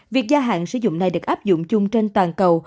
việc gia hạn sử dụng này được áp dụng chung trên toàn cầu